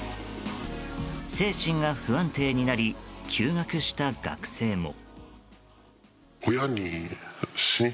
精神が不安定になり休学した学生も。